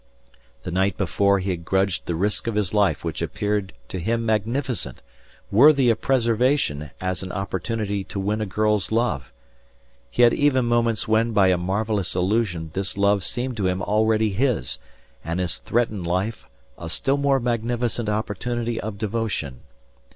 The night before he had grudged the risk of his life which appeared to him magnificent, worthy of preservation as an opportunity to win a girl's love. He had even moments when by a marvellous illusion this love seemed to him already his and his threatened life a still more magnificent opportunity of devotion.